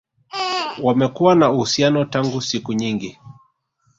Wamekuwa na uhusiano tangu siku nyingi